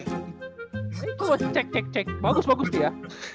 eh skurx cek cek cek bagus bagus dia